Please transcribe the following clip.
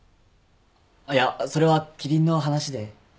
あっいやそれはキリンの話で。